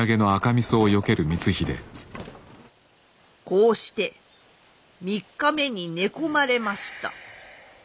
こうして３日目に寝込まれました。